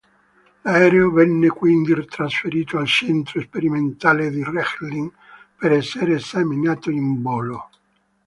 L'aereo venne quindi trasferito al centro sperimentale di Rechlin per essere esaminato in volo.